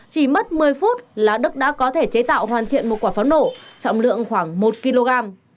chỉ mất một mươi phút là đức đã có thể chế tạo hoàn thiện một quả pháo nổ trọng lượng khoảng một kg